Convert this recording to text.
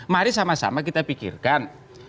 mari sama sama kita pikirkan